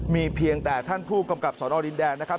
มีเพียงแต่ท่านผู้กำกับสนดินแดนนะครับ